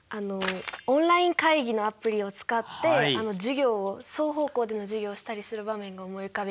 オンライン会議のアプリを使って授業を双方向での授業をしたりする場面が思い浮かびましたね。